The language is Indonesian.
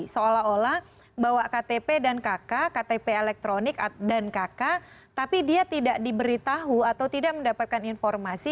seolah olah bawa ktp dan kk ktp elektronik dan kk tapi dia tidak diberitahu atau tidak mendapatkan informasi